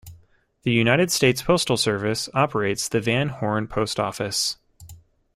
The United States Postal Service operates the Van Horn Post Office.